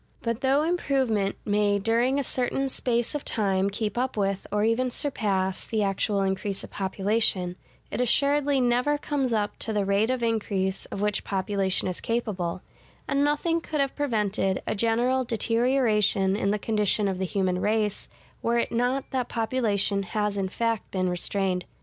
But though improvement may during a certain space of time keep up with, or even surpass, the actual increase of population, it assuredly never comes up to the rate of increase of which population is capable: and nothing could have prevented a general deterioration in the condition of the human race, were it not that population has in fact been restrained.